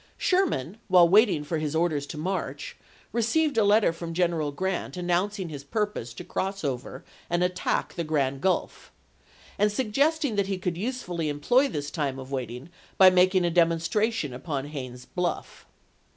Sherman, while waiting for his orders to march, received a letter from General Grant announcing his purpose to cross over and attack Grand Gulf, and suggesting that he could usefully employ this time of waiting by making a demonstration upon Haines's Bluff.